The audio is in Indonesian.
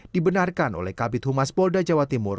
dibenarkan oleh kabit humas polda jawa timur